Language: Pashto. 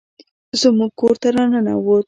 زموږ کور ته راننوت